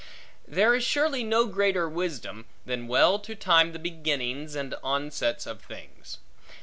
There is surely no greater wisdom, than well to time the beginnings, and onsets, of things.